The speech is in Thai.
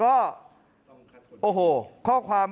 ขอบคุณครับ